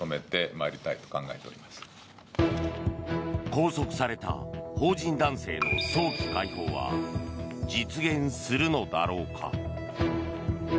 拘束された邦人男性の早期解放は実現するのだろうか。